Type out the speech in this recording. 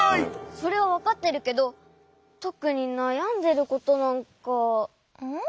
それはわかってるけどとくになやんでることなんか。